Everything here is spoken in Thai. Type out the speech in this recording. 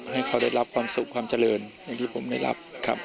ให้เขาได้รับความสุขความเจริญที่ผมได้รับ